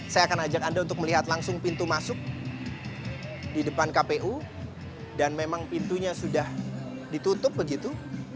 saya akan ajak anda untuk melihat langsung pintu masuk di depan kpu dan memang pintunya sudah ditutup begitu